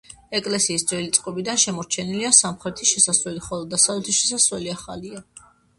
ეკლესიის ძველი წყობიდან შემორჩენილია სამხრეთის შესასვლელი, ხოლო დასავლეთის შესასვლელი ახალია.